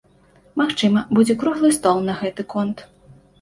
Магчыма, будзе круглы стол на гэты конт.